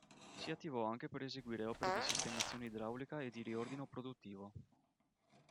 Si attivò anche per eseguire opere di sistemazione idraulica e di riordino produttivo.